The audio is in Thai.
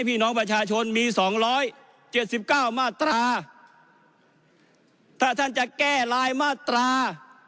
พี่น้องประชาชนมีสองร้อยเจ็ดสิบเก้ามาตราถ้าท่านจะแก้รายมาตรา